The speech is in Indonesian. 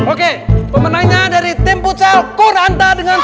oke pemenangnya dari tim pucal kuranta dengan